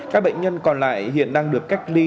các bệnh nhân còn lại hiện đang được cách ly